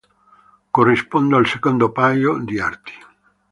Corrispondono al secondo paio di arti.